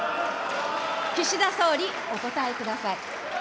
岸田総理、お答えください。